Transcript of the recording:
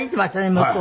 向こう。